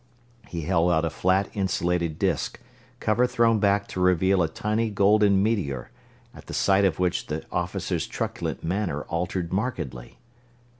He held out a flat, insulated disk, cover thrown back to reveal a tiny golden meteor, at the sight of which the officer's truculent manner altered markedly.